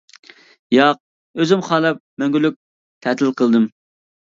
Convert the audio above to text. ياق، ئۆزۈم خالاپ مەڭگۈلۈك تەتىل قىلدىم.